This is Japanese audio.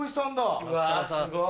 ん？